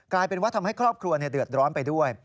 กลายเป็นว่าทำให้ครอบครัวเดือดร้อนไปด้วย